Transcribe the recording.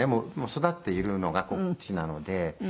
育っているのがこっちなので。